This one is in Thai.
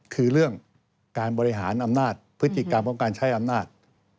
คือเรื่องการบริหารอำนาจพฤติกรรมของการใช้อำนาจ